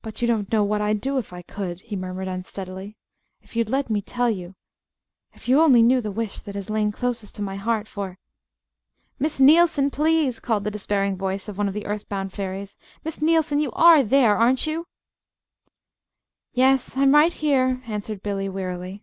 "But you don't know what I'd do if I could," he murmured unsteadily. "If you'd let me tell you if you only knew the wish that has lain closest to my heart for " "Miss Neilson, please," called the despairing voice of one of the earth bound fairies; "Miss Neilson, you are there, aren't you?" "Yes, I'm right here," answered Billy, wearily.